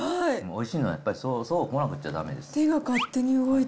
おいしいのはやっぱりそうこなくっちゃだめです。